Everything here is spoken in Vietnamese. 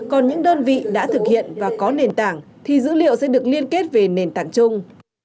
còn những đơn vị đã thực hiện và có nền tảng thì dữ liệu sẽ được liên kết về nền tảng chung